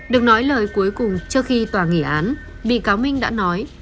được nói lời cuối cùng trước khi tòa nghỉ án bị cáo minh đã nói